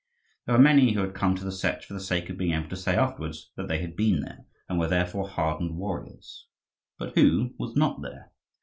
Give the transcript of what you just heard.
There were many who had come to the Setch for the sake of being able to say afterwards that they had been there and were therefore hardened warriors. But who was not there?